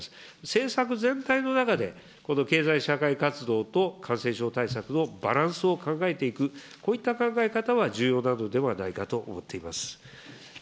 政策全体の中で、この経済社会活動と感染症対策のバランスを考えていく、こういった考え方は重要なのではないかと思っています。